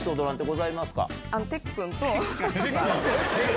てっくん？